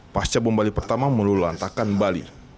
pasca bombali pertama melulantarkan bali